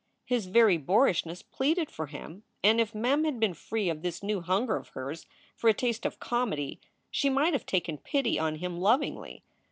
His very boorishness pleaded for him, and if Mem had been free of this new hunger of hers for a taste of comedy she might have taken pity on him lovingly.